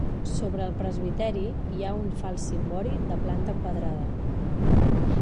Sobre el presbiteri hi ha un fals cimbori de planta quadrada.